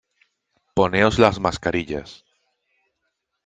poneos las mascarillas .